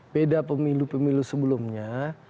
beda pemilu pemilu sebelumnya